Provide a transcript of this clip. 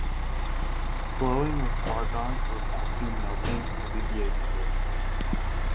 Blowing with argon or vacuum melting alleviates this.